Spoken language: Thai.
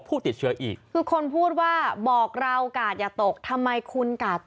ผู้ติดเชื้ออีกคือคนพูดว่าบอกเรากาดอย่าตกทำไมคุณกาด